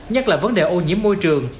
nhất là vấn đề ô nhiễm môi trường